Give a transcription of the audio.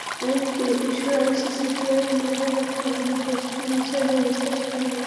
আরেকটি বিষয় সিসিকে মাথায় রাখতে হবে, দেশটির বিচারব্যবস্থা সেনাবাহিনীর নিয়ন্ত্রণে নেই।